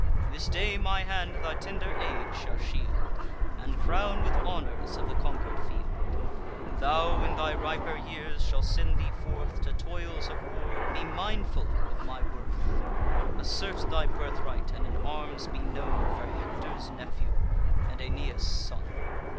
This day my hand thy tender age shall shield, And crown with honours of the conquer'd field: Thou, when thy riper years shall send thee forth To toils of war, be mindful of my worth; Assert thy birthright, and in arms be known, For Hector's nephew, and Aeneas' son."